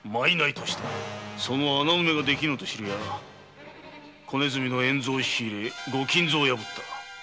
その穴埋めができぬと知るや小鼠の円蔵を引き入れ御金蔵を破った。